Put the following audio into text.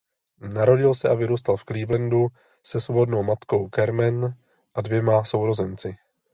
Narodil se a vyrůstal v Clevelandu se svobodnou matkou Carmen a dvěma sourozenci.